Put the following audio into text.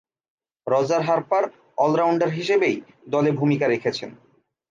Roger Harper all rounder হিসেবেই দলে ভূমিকা রেখেছেন।